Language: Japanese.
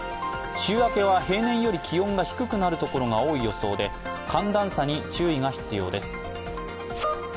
週明けは平年より気温が低くなるところが多い予想で、寒暖差に注意が必要です。